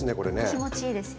気持ちいいです。